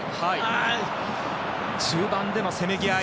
中盤でのせめぎ合い。